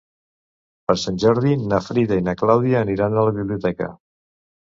Per Sant Jordi na Frida i na Clàudia aniran a la biblioteca.